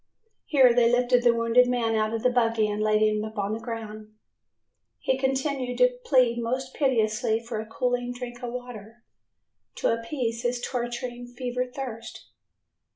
Here they lifted the wounded man out of the buggy and laid him upon the ground. He continued to plead most piteously for a cooling drink of water to appease his torturing fever thirst.